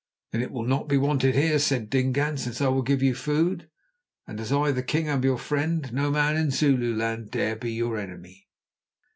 "Then it will not be wanted here," said Dingaan, "since I will give you food, and as I, the king, am your friend, no man in Zululand dare be your enemy."